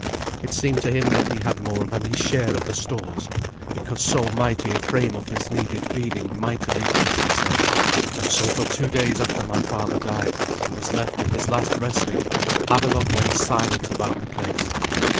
It seemed to him that he had more than his share of the stores, because so mighty a frame of his needed feeding mightily, as he said. And so for two days after my father died and was left in his last resting, Havelok went silent about the place.